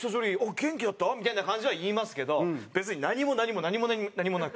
元気だった？」みたいな感じは言いますけど別に何も何も何も何もなく。